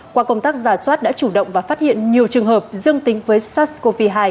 qua công tác giả soát đã chủ động và phát hiện nhiều trường hợp dương tính với sars cov hai